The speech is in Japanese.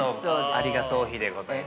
◆ありが頭皮でございます。